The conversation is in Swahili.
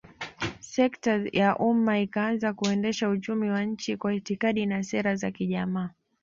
Sekta ya umma ikaanza kuendesha uchumi wa nchi Kwa itikadi na sera za kijamaa